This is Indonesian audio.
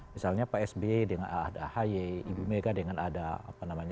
misalnya pak s b dengan ahdah haye ibu mega dengan ada apa namanya